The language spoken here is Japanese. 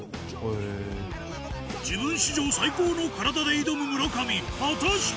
自分史上最高の体で挑む村上果たして？